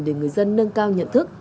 để người dân nâng cao nhận thức